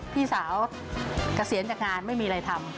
พี่สาวเกษียณจากงานไม่มีอะไรทำ